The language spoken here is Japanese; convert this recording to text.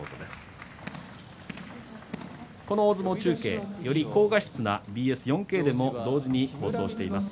この大相撲中継は、より高画質なＢＳ４Ｋでも同時放送しています。